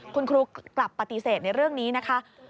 คุณครูกลับปฏิเสธในเรื่องนี้นะคะ